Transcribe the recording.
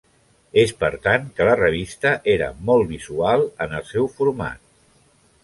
És per tant que la revista era molt visual en el seu format.